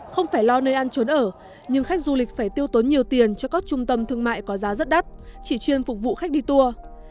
không phải lo nơi ăn trốn ở nhưng khách du lịch phải tiêu tốn nhiều tiền cho các trung tâm thương mại có giá rất đắt chỉ chuyên phục vụ khách đi tour